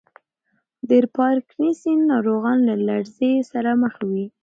د پارکینسن ناروغان له لړزې سره مخ وي.